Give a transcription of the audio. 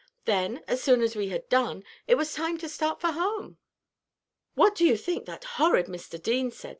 Then, as soon as we had done, it was time to start for home." "What do you think that horrid Mr. Deane said?"